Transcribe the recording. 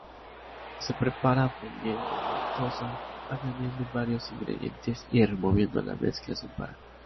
Se prepara fundiendo maltosa, añadiendo varios ingredientes y removiendo la mezcla sin parar.